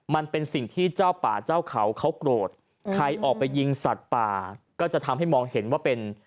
มันเป็นสิ่งที่เจ้าป่าเจ้าเขาเขาโกรธใครออกไปยิงสัตว์ป่าก็จะทำให้มองเห็นว่าเป็น